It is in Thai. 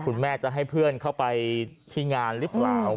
คุณแม่จะให้เพื่อนเข้าไปที่งานหรือเปล่า